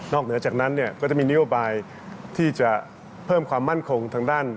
เหนือจากนั้นเนี่ยก็จะมีนโยบายที่จะเพิ่มความมั่นคงทางด้าน